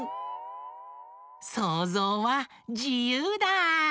そうぞうはじゆうだ！